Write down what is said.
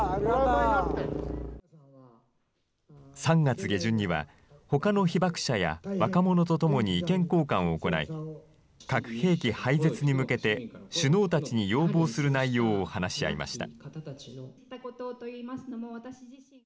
３月下旬には、ほかの被爆者や若者と共に意見交換を行い、核兵器廃絶に向けて、首脳たちに要望する内容を話し合いました。